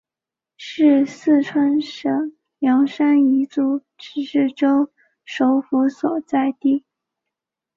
是四川省凉山彝族自治州首府所在地。